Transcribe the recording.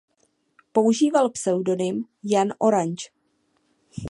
Používal pseudonym "Jan Oranje".